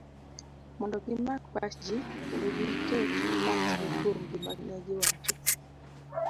mondo gimak pach ji, kendo giket pachgi kuom gima negiwacho